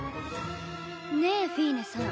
ねえフィーネさん